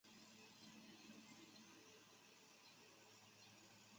后被弹劾归里。